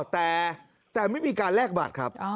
แต่ไม่มีการแลกบัตรครับ